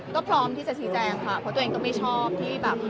ก็พร้อมที่จะชี้แจงค่ะเพราะตัวเองก็ไม่ชอบที่แบบ